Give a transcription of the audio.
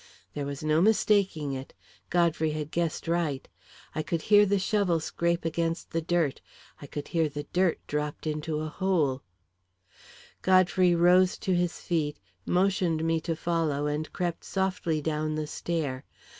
There was no mistaking it Godfrey had guessed right. I could hear the shovel scrape against the dirt; I could hear the dirt dropped into a hole Godfrey rose to his feet, motioned me to follow, and crept softly down the stair.